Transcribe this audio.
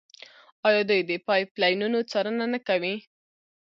آیا دوی د پایپ لاینونو څارنه نه کوي؟